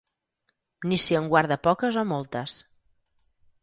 Ni si en guarda poques o moltes.